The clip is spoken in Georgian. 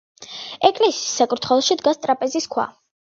ეკლესიის საკურთხეველში დგას ტრაპეზის ქვა.